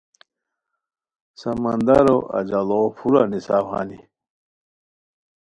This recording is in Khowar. سمندرو اجاڑوغ پھورہ نیساؤ ہانی